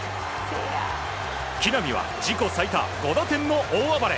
木浪は自己最多５打点の大暴れ。